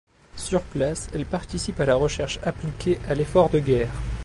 Sur place, elle participe à la recherche appliquée à l’effort de guerre.